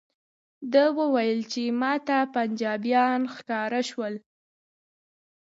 ده وویل چې ماته پنجابیان ښکاره شول.